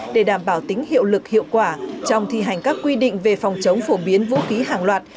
để đảm bảo tính hiệu lực hiệu quả trong thi hành các quy định về phòng chống phổ biến vũ khí hàng loạt